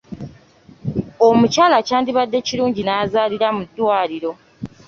Omukyala kyandibadde kirungi n'azaalira mu ddwaliro.